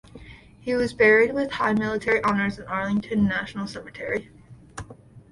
He was buried with high military honors in Arlington National Cemetery.